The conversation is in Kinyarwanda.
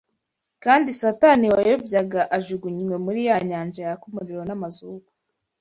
kandi Satani wabayobyaga ajugunywe muri ya nyanja yaka umuriro n’amazuku